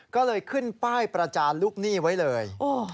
ก็เลยขึ้นป้ายประจานลูกหนี้ไว้เลย